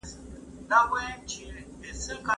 هغه ماشوم چې د څاه خواته ځغاستل د هغې د وېرې سبب و.